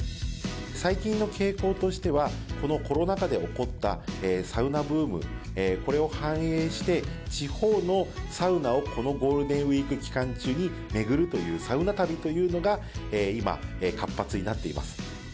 最近の傾向としては、このコロナ禍で起こったサウナブーム、これを反映して、地方のサウナをこのゴールデンウィーク期間中に巡るというサウナ旅というのが今、活発になっています。